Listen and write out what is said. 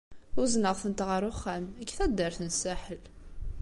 Uzneɣ-tent ɣer uxxam, deg taddart n Saḥel.